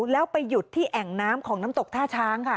แล้วไปหยุดที่แอ่งน้ำของน้ำตกท่าช้างค่ะ